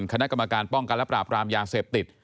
คณะกรรมการป้องกันและปราบรามยาเสพติด